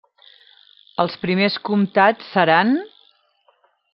Els primers comtats seran: